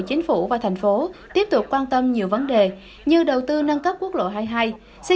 chính phủ và thành phố tiếp tục quan tâm nhiều người